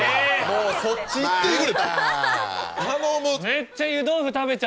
もうそっち行ってくれと頼む。